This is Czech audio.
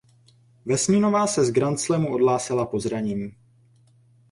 Vesninová se z grandslamu odhlásila pro zranění.